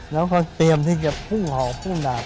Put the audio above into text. แล้วเขาเตรียมไปเก็บภูเขาภูดา